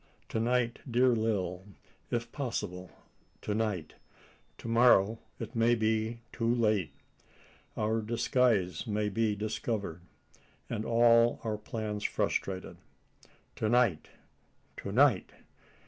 To night, dear Lil! if possible, to night! To morrow it may be too late. Our disguise may be discovered, and all our plans frustrated. To night to night!